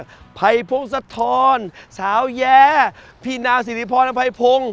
ยอดมากภัยโพงสะทอนสาวแย้พี่นางศิริพรนักภัยโพง